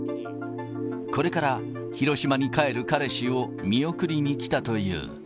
これから広島に帰る彼氏を見送りに来たという。